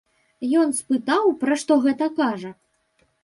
Ён спытаў, пра што гэта кажа?